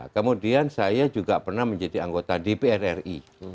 kemudian saya juga pernah menjadi anggota dpr ri